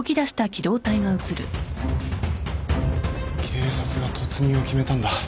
警察が突入を決めたんだ。